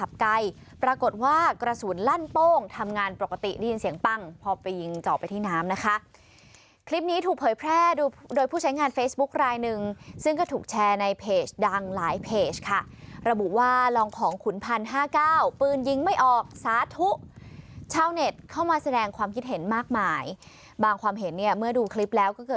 ปรากฏว่ากระสุนลั่นโป้งทำงานปกติได้ยินเสียงปั้งพอไปยิงเจาะไปที่น้ำนะคะคลิปนี้ถูกเผยแพร่โดยผู้ใช้งานเฟซบุ๊คลายหนึ่งซึ่งก็ถูกแชร์ในเพจดังหลายเพจค่ะระบุว่าลองของขุนพันห้าเก้าปืนยิงไม่ออกสาธุชาวเน็ตเข้ามาแสดงความคิดเห็นมากมายบางความเห็นเนี่ยเมื่อดูคลิปแล้วก็เกิด